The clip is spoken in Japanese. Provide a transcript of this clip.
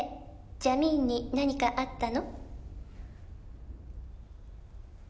ジャミーンに何かあったの？」